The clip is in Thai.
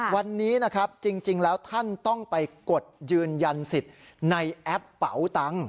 วันนี้นะครับจริงแล้วท่านต้องไปกดยืนยันสิทธิ์ในแอปเป๋าตังค์